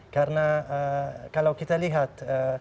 karena kalau kita lihat